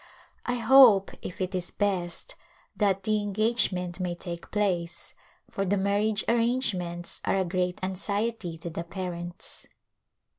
I hope, if it is best, that the engagement may take place, for the marriage arrange ments are a great anxiety to the parents.